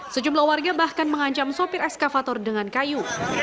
sejumlah warga bahkan mengancam sopir eskavator dengan kayu